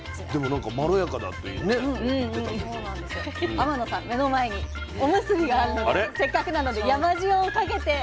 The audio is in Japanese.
天野さん目の前におむすびがあるのでせっかくなので山塩をかけて召し上がって下さい。